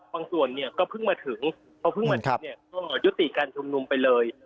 ส่วนเนี่ยก็เพิ่งมาถึงพอเพิ่งมาถึงเนี่ยก็ยุติการชุมนุมไปเลย